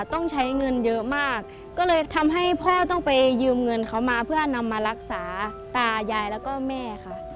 ต้องใช้เงินเยอะมากก็เลยทำให้พ่อต้องไปยืมเงินเขามาเพื่อนำมารักษาตายายแล้วก็แม่ค่ะ